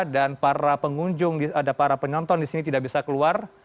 dan para pengunjung ada para penonton di sini tidak bisa keluar